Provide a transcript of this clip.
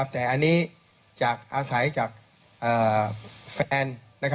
แต่อันนี้จากอาศัยจากแฟน